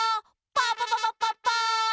パパパパッパッパ。